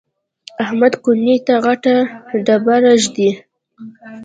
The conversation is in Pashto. احمد کونې ته غټه ډبره ږدي.